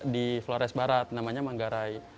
di flores barat namanya manggarai